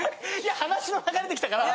話の流れできたから。